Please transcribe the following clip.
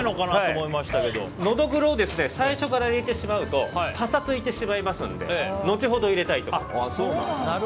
ノドグロを最初から入れてしまうとパサついてしまいますので後ほど、入れたいと思います。